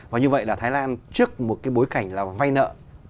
và như vậy là thái lan trước một cái bối cảnh là vay nợ